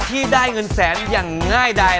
ที่ได้เงินแสนอย่างง่ายใด